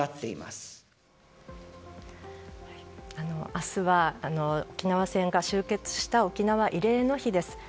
明日は沖縄戦が終結した沖縄慰霊の日です。